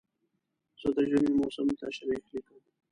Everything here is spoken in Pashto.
زه د ژمي موسم تشریح لیکم.